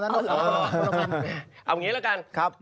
เอาอย่างนี้ละกัน